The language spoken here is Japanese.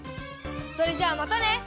それじゃあまたね！